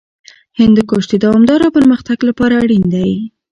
هندوکش د دوامداره پرمختګ لپاره اړین دی.